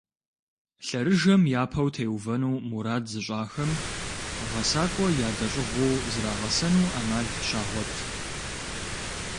Лъэрыжэм япэу теувэну мурад зыщIахэм, гъэсакIуэ ядэщIыгъуу зрагъэсэну Iэмал щагъуэт.